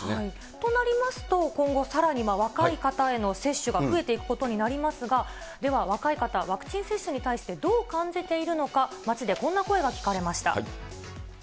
となりますと、今後、さらに若い方への接種が増えていくことになりますが、では若い方、ワクチン接種に対して、どう感じているのか、街でこんな声が聞かれました。